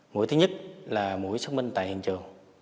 mũi thứ nhất là mũi xác minh tại hiện trường